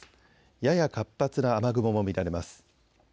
やや活発な雨雲も見られます。